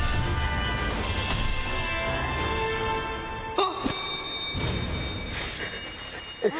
あっ！